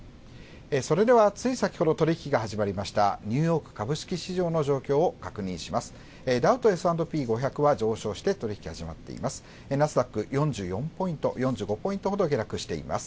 それでは、つい先ほど取引が始まりましたニューヨーク株式市場の状況を確認します。